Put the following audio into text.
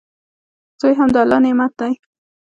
زوی هم د الله نعمت دئ.